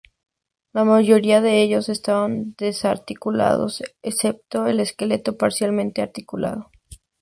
La mayoría de ellos estaban desarticulados, excepto un esqueleto parcialmente articulado.